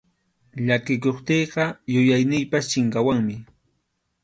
Llakikuptiyqa yuyayniypas chinkawanmi.